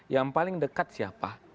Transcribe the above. yang paling dekat siapa